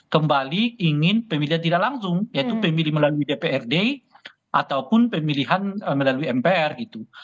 kembali ingin pemilihan tidak langsung yaitu pemilih melalui dprd ataupun pemilihan melalui mpr gitu